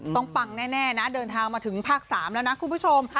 ปังแน่นะเดินทางมาถึงภาค๓แล้วนะคุณผู้ชม